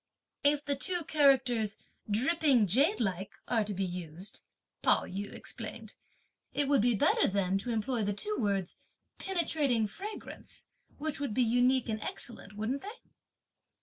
"If two characters like 'dripping jadelike' are to be used," Pao yü explained, "it would be better then to employ the two words 'Penetrating Fragrance,' which would be unique and excellent, wouldn't they?"